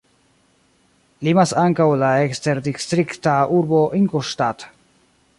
Limas ankaŭ la eksterdistrikta urbo Ingolstadt.